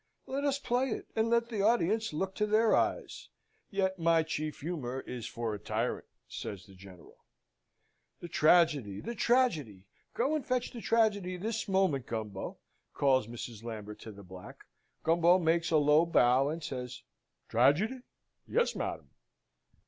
"Let us play it, and let the audience look to their eyes! Yet my chief humour is for a tyrant," says the General. "The tragedy, the tragedy! Go and fetch the tragedy this moment, Gumbo!" calls Mrs. Lambert to the black. Gumbo makes a low bow and says, "Tragedy? yes, madam."